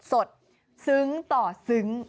สดซึ้งต่อซึ้ง